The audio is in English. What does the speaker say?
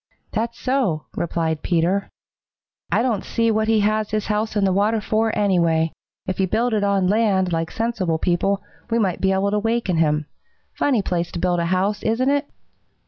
"That's so," replied Peter. "I don't see what he has his house in the water for, anyway. If he had built it on land, like sensible people, we might be able to waken him. Funny place to build a house, isn't it?"